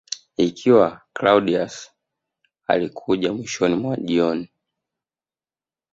Ikiwa Claudius alikuja mwishoni mwa jioni